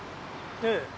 ええ。